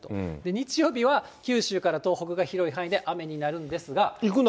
日曜日は九州から東北が広い範囲で雨になるんですが。